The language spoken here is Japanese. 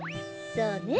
そうね。